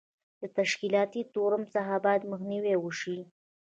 له تشکیلاتي تورم څخه باید مخنیوی وشي.